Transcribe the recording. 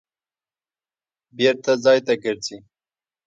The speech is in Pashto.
بېرته ځای ته ګرځي.